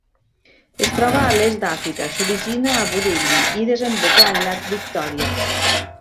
Es troba a l'est d'Àfrica, s'origina a Burundi i desemboca al llac Victòria.